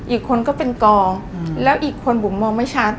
อีกคนก็เป็นกองแล้วอีกคนบุ๋มมองไม่ชัด